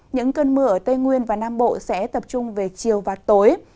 những cơn mưa ở tây nguyên và nam bộ sẽ tập trung về chiều và tối